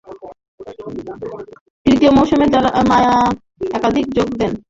তৃতীয় মৌসুমে মায়া হক এই ধারাবাহিকে যোগ দেন।